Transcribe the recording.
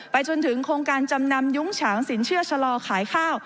จนถึงโครงการจำนำยุ้งฉางสินเชื่อชะลอขายข้าว